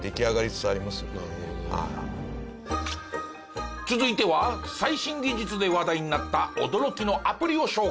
続いては最新技術で話題になった驚きのアプリを紹介。